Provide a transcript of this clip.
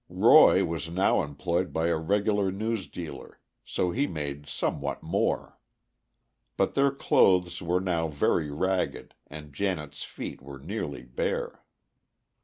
Roy was now employed by a regular newsdealer, so he made somewhat more. But their clothes were now very ragged, and Janet's feet were nearly bare.